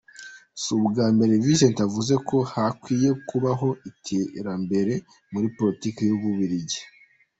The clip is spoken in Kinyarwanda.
Si ubwa mbere Vincent avuze ko hakwiye kubaho iterambere muri politiki y'Ububiligi.